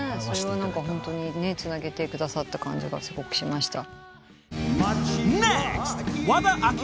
ホントにつなげてくださった感じがすごくしました。